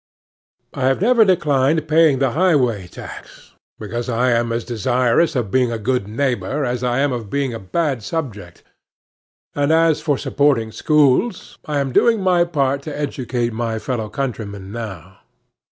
I have never declined paying the highway tax, because I am as desirous of being a good neighbor as I am of being a bad subject; and, as for supporting schools, I am doing my part to educate my fellow countrymen now.